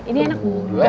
ini enak banget